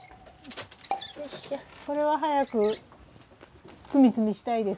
これは早く摘み摘みしたいです。